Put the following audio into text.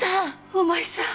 お前さん！